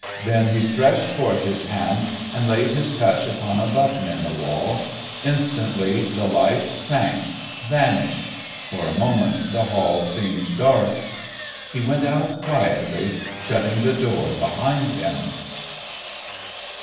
Then he stretched forth his hand and laid his touch upon a button in the wall. Instantly the lights sank, vanished; for a moment the hall seemed dark. He went out quietly, shutting the door behind him.